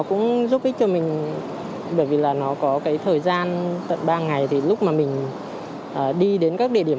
cũng giúp ích cho mình bởi vì là nó có cái thời gian tận ba ngày thì lúc mà mình đi đến các địa điểm